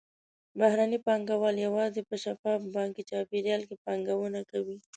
بهرني پانګهوال یوازې په شفاف بانکي چاپېریال کې پانګونه کوي.